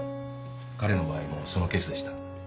彼の場合もそのケースでした。